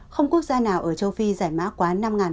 không quốc gia nào ở châu phi giải mã quá năm